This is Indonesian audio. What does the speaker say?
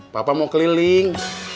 bapak mau keliling